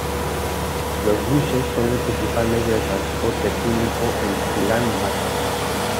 Los buses son el principal medio de transporte público en Ulán Bator.